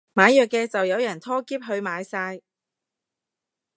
賣藥嘅就有人拖喼去買晒